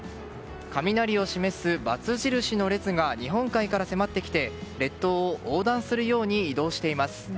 雷を示すバツ印の列が日本海から迫ってきて列島を横断するように移動しています。